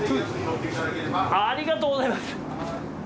ありがとうございます！